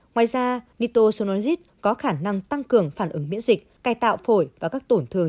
ngoài ra nitocyanid có khả năng tăng cường phản ứng miễn dịch cài tạo phổi và các tổn thương